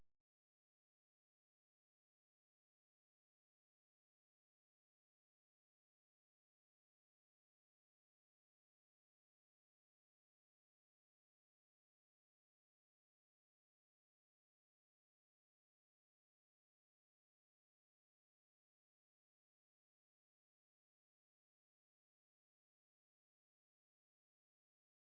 jangan lupa like share dan subscribe ya